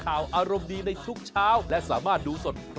เพราะว่าอานิสงค์จะส่งผลทำให้ดวงชาตาของคุณดีขึ้นไปอีกขั้นนั่นเองค่ะ